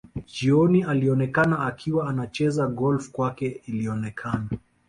Jioni alionekana akiwa anacheza golf kwake ilionekana